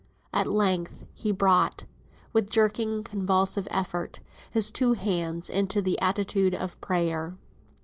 At length he brought (with jerking, convulsive effort) his two hands into the attitude of prayer.